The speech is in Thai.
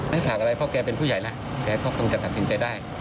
ฉากอะไรเพราะแกเป็นผู้ใหญ่แล้วแกก็คงจะตัดสินใจได้